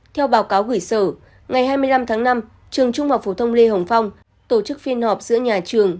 theo báo cáo gửi sở ngày hai mươi năm tháng năm trường trung học phổ thông lê hồng phong tổ chức phiên họp giữa nhà trường